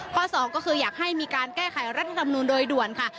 สองก็คืออยากให้มีการแก้ไขรัฐธรรมนูลโดยด่วนค่ะ